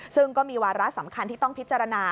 ซึ่งก็มีวาระสำคัญที่ต้องพิจารณา